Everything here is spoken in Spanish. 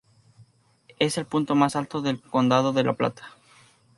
Es el punto más alto del condado de La Plata.